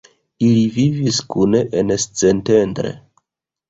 Ili vivis kune en Szentendre.